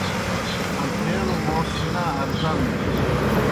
ان٘ٹَھیلوْ موس شِنا ارزان بِینوْ۔